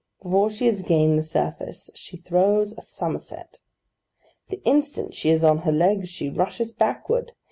Before she has gained the surface, she throws a summerset. The instant she is on her legs, she rushes backward.